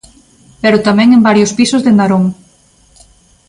Pero tamén en varios pisos de Narón.